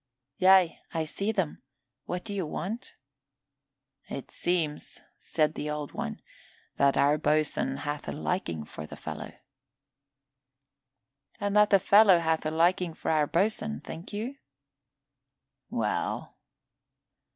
"Yea, I see them. What do you want?" "It seems," said the Old One, "that our boatswain hath a liking for the fellow." "And that the fellow hath a liking for our boatswain, think you?" "Well?"